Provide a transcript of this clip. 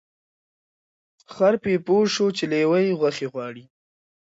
خر په پوه سوچی لېوه یې غوښي غواړي